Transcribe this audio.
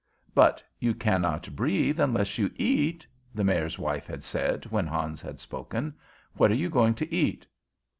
"But you cannot breathe unless you eat," the Mayor's wife had said, when Hans had spoken. "What are you going to eat?"